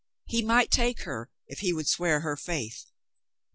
... He might take her if he would swear her faith.